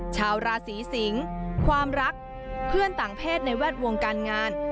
ชาวราศีสิงความรักเพื่อนต่างเพศในแวดวงการงาน